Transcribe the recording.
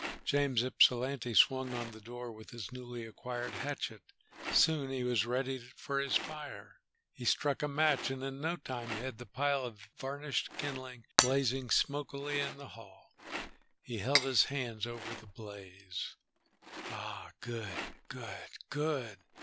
James Ypsilanti swung on the door with his newly acquired hatchet. Soon he was ready for his fire. He struck a match, and in no time had the pile of varnished kindling blazing smokily in the hall. He held his hands over the blaze. "Ah, good, good. Good."